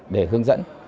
để hướng dẫn